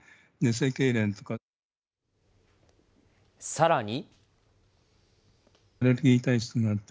さらに。